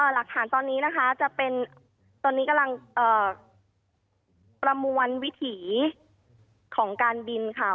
หลักฐานตอนนี้นะคะจะเป็นตอนนี้กำลังประมวลวิถีของการบินค่ะ